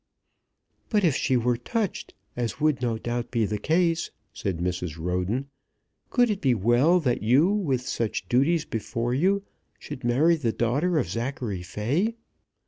"But if she were touched, as would no doubt be the case," said Mrs. Roden, "could it be well that you with such duties before you should marry the daughter of Zachary Fay?